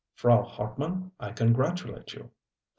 Frau Hartmann, I congratulate you.